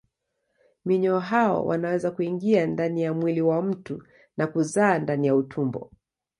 Minyoo hao wanaweza kuingia ndani ya mwili wa mtu na kuzaa ndani ya utumbo.